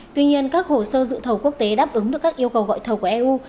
tuy nhiên các hồ sơ dự thầu quốc tế đáp ứng được các yêu cầu gọi thầu của eu